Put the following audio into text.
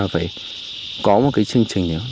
phải có một chương trình